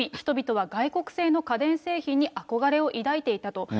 人々は外国製の家電製品に憧れを抱いていたと。